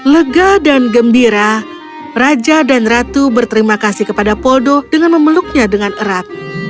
lega dan gembira raja dan ratu berterima kasih kepada poldo dengan memeluknya dengan erat